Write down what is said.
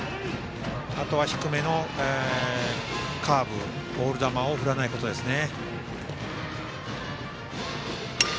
あとは低めのカーブ、ボール球を振らないことですね。